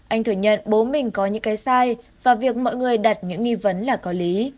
anh thừa nhận bố mình có những cái sai và việc mọi người đặt những nghi vấn là có lý